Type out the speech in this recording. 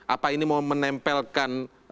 apa ini mau menempel ke dki